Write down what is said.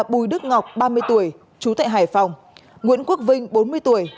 bùi đức ngọc ba mươi tuổi chú tại hải phòng nguyễn quốc vinh bốn mươi tuổi